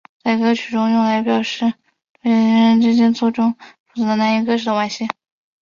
在歌曲中用来表示对情人之间错综复杂难以割舍的惋惜。